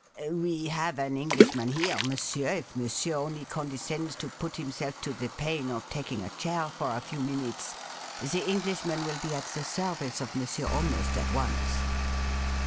' We have an Englishman here, monsieur, if monsieur only condescends to put himself to the pain of taking a chair for a few minutes. The Englishman wiU be at the service of monsieur almost at once.'